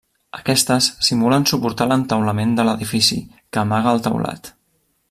Aquestes simulen suportar l'entaulament de l'edifici, que amaga el teulat.